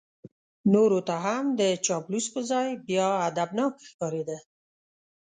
نورو ته هم د چاپلوس په ځای بیا ادبناک ښکارېده.